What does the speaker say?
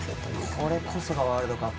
これこそがワールドカップ。